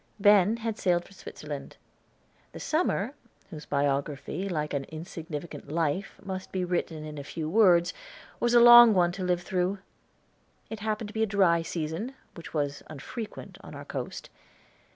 Ben had sailed for Switzerland. The summer, whose biography like an insignificant life must be written in a few words, was a long one to live through. It happened to be a dry season, which was unfrequent on our coast.